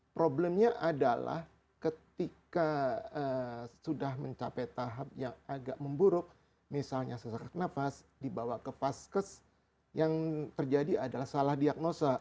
problemnya adalah ketika sudah mencapai tahap yang agak memburuk misalnya sesak nafas dibawa ke vaskes yang terjadi adalah salah diagnosa